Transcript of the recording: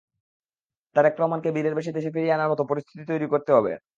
তারেক রহমানকে বীরের বেশে দেশে ফিরিয়ে আনার মতো পরিস্থিতি তৈরি করতে হবে।